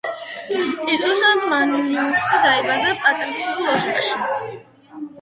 ტიტუს მანლიუსი დაიბადა პატრიციულ ოჯახში.